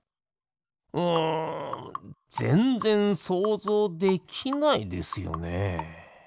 うんぜんぜんそうぞうできないですよね。